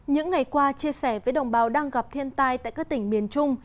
những ngày qua chia sẻ với đồng bào đang gặp thiên tai tại các tỉnh miền trung